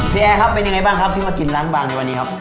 พี่แอเป็นยังไงบ้างที่มากินร้านบางวันนี้ครับ